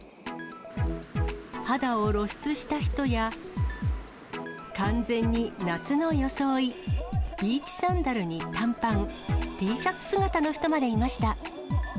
肌を露出した人や、完全に夏の装い、ビーチサンダルに短パン、Ｔシャツ姿の人までいました。